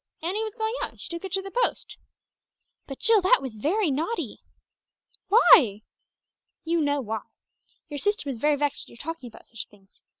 Annie was going out, and she took it to the post." "But Jill, that was very naughty." "Why?" "You know why. Your sister was very vexed at your talking about such things.